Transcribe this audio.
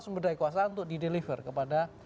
sumber daya kekuasaan untuk dideliver kepada